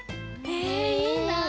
えいいな。